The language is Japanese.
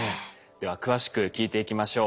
では詳しく聞いていきましょう。